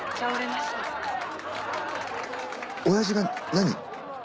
おやじが何？